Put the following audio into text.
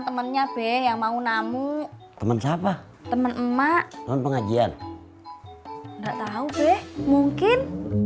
temennya be yang mau namu temen siapa temen emak pengajian enggak tahu deh mungkin